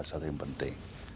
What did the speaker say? itu yang penting